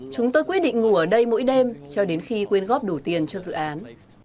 chúng tôi quyết định ngủ ở đây mỗi đêm cho đến khi quyên góp đủ tiền cho dự án